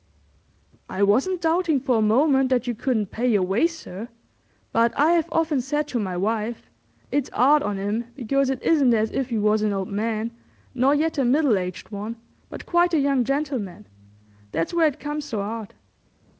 "I wasn't doubting for a moment that you couldn't pay your way, sir; but I 'ave often said to my wife, 'It's 'ard on 'im because it isn't as if he was an old man, nor yet a middle aged one, but quite a young gentleman. That's where it comes so 'ard.